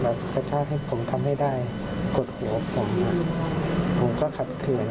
กระชากให้ผมทำให้ได้กดหัวผมผมก็ขัดขืน